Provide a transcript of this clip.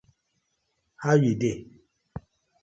How yu dey?